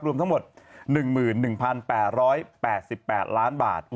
รวมทั้งหมด๑๑๘๘ล้านบาท